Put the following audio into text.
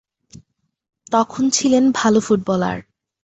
তখন ছিলেন ভালো ফুটবলার।